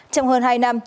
trong hơn hai năm